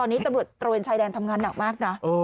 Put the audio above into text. ตอนนี้ตำรวจตระเวนชายแดนทำงานหนักมากนะ